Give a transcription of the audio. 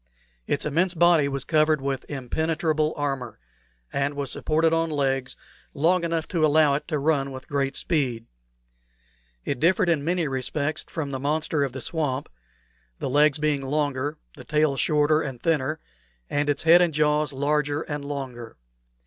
Its immense body was covered with impenetrable armor, and was supported on legs long enough to allow it to run with great speed. It differed in many respects from the monster of the swamp the legs being longer, the tail shorter and thinner, and its head and jaws larger and longer.